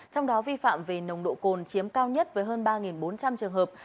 trong đó vi phạm về nồng độ cồn chiếm cao nhất với hơn ba bốn trăm linh trường hợp